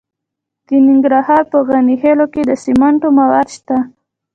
د ننګرهار په غني خیل کې د سمنټو مواد شته.